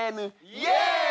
イエーイ！